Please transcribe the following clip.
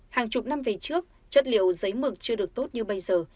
hàng chục năm về trước chất liệu giấy mực chưa được tốt như bây giờ